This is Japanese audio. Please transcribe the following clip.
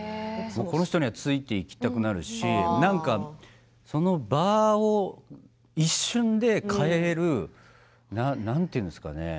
この人にはついていきたくなるしその場を一瞬で変えるなんて言うんですかね